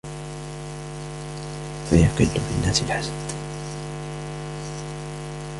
فَيَقِلُّ فِي النَّاسِ الْحَسَدُ